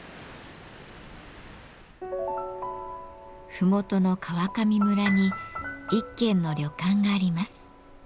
ふもとの川上村に一軒の旅館があります。